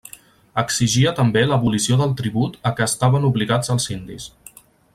Exigia també l'abolició del tribut a què estaven obligats els indis.